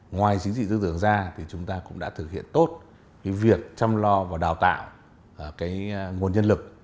ngoài chính trị tư tưởng ra thì chúng ta cũng đã thực hiện tốt việc chăm lo và đào tạo nguồn nhân lực